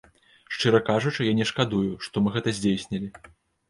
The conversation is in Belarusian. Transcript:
Шчыра кажучы, я не шкадую, што мы гэта здзейснілі.